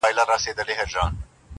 محتسب مي دي وهي په دُرو ارزي,